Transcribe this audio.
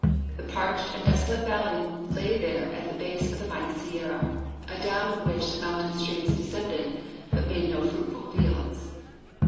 The parched and desolate valle}^ la}'' there at the base of the mighty Sierra, adown which the mountain streams descended, but made no fruitful fields.